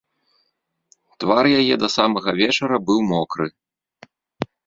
Твар яе да самага вечара быў мокры.